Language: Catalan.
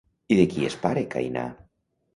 I de qui és pare Cainà?